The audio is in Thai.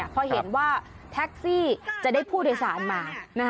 พอเห็นว่าแท็กซี่จะได้ผู้โดยสารมา